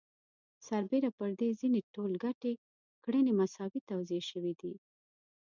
سربېره پر دې ځینې ټولګټې کړنې مساوي توزیع شوي دي